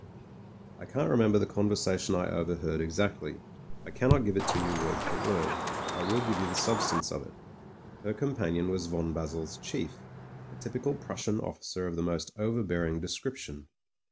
I can't remember the conversation I overheard exactly, I cannot give it to you word for word, but I will give you the substance of it Her companion was von Basel's chief — a, typical Prussian officer of the most overbearing description.